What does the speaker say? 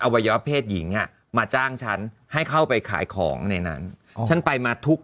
วัยวะเพศหญิงอ่ะมาจ้างฉันให้เข้าไปขายของในนั้นฉันไปมาทุก